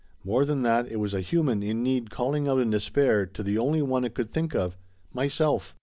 More than that, it was a human in need call ing out in despair to the only one it could think of myself